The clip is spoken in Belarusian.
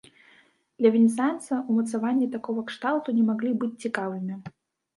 Для венецыянца умацаванні такога кшталту не маглі быць цікавымі.